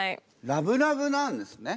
ラブラブなんですね。